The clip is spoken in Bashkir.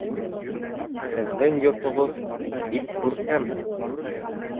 Һеҙҙең йортоғоҙ бик күркәм!